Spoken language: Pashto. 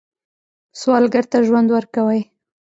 سوالګر ته ژوند ورکوئ